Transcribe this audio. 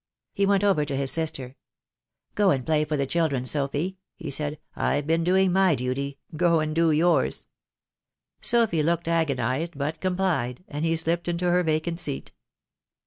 He went over to his sister. "Go and play for the children, Sophy," he said. "I've been doing my duty. Go and do yours." Sophy looked agonised, but complied; and he slipped into her vacant seat.